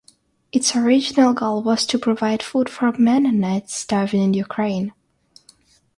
Its original goal was to provide food for Mennonites starving in Ukraine.